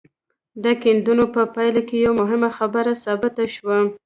د کيندنو په پايله کې يوه مهمه خبره ثابته شوه.